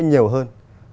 nhưng nhiều hơn